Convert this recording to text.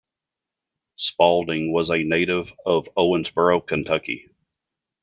Spalding was a native of Owensboro, Kentucky.